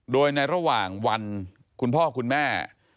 โดยในระหว่างวันคุณพ่อคุณแม่